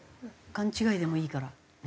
勘違いでもいいから。